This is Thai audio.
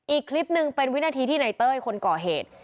อีกคลิปหนึ่งเป็นวินาทีที่ในเต้ยคนก่อเหตุ